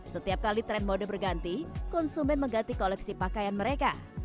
setiap kali tren mode berganti konsumen mengganti koleksi pakaian mereka